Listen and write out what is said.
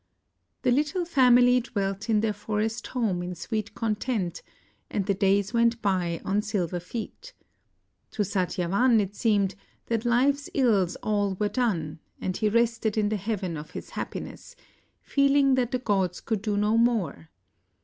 The little family dwelt in their forest home in sweet content and the days went by on silver feet. To Satya 17 INDL\ van it seemed that life's ills all were done, and he rested in the heaven of his happiness, feeling that the gods could do no more.